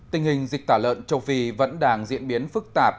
tình hình dịch tả lợn châu phi vẫn đang diễn biến phức tạp